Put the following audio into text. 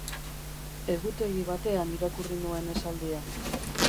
Egutegi batean irakurri nuen esaldia.